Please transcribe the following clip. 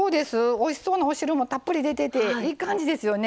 おいしそうなお汁もたっぷり出てていい感じですよね。